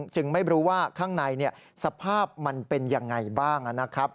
จึงไม่รู้ว่าข้างในสภาพมันเป็นอย่างไรบ้าง